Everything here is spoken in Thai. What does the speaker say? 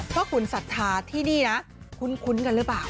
เพราะคุณศัฒนาที่นี่นะคุ้นกันหรือเปล่า